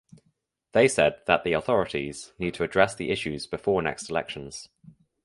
They said that the authorities need to address the issues before next elections.